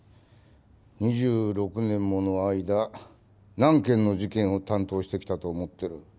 ２６年もの間何件の事件を担当してきたと思ってる？